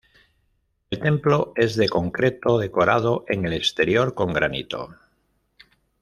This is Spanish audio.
El templo es de concreto, decorado en el exterior con granito.